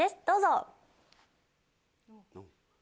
どうぞ！